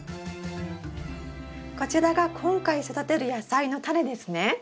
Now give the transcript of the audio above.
こちらが今回育てる野菜のタネですね？